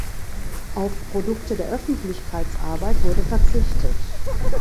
Auf „Produkte der Öffentlichkeitsarbeit“ wurde verzichtet.